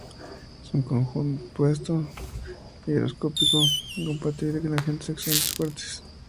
Es un compuesto higroscópico, incompatible con agentes oxidantes fuertes.